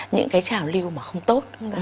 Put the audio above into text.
những cái trào lưu mà không tốt